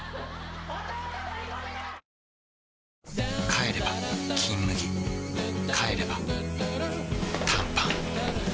帰れば「金麦」帰れば短パン